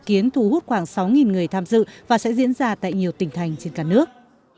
dự kiến thu hút khoảng sáu người tham dự và sẽ diễn ra tại nhiều tỉnh thành trên cả nước